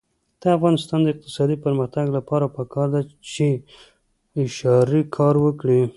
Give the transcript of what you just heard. د افغانستان د اقتصادي پرمختګ لپاره پکار ده چې اشارې کار وکړي.